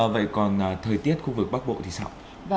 vậy còn thời tiết khu vực bắc bộ thì sao